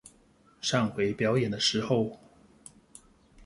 上回表演的時候